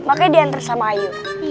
makanya diantar sama ayu